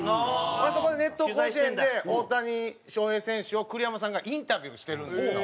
あそこで『熱闘甲子園』で大谷翔平選手を栗山さんがインタビューしてるんですよ。